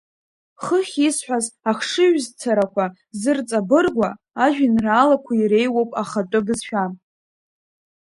Хыхь исҳәаз ахшыҩзцарақәа зырҵабыргуа ажәеинраалақәа иреиуоуп Ахатәы бызшәа.